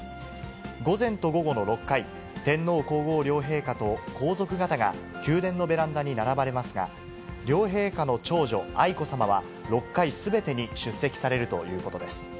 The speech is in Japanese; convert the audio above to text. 午前と午後の６回、天皇皇后両陛下と皇族方が、宮殿のベランダに並ばれますが、両陛下の長女、愛子さまは、６回すべてに出席されるということです。